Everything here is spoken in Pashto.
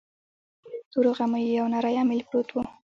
په غاړه يې له تورو غميو يو نری اميل پروت و.